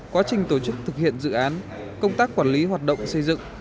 quá trình tổ chức thực hiện dự án công tác quản lý hoạt động xây dựng